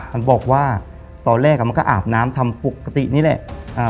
มันบอกว่าตอนแรกอ่ะมันก็อาบน้ำทำปกตินี่แหละ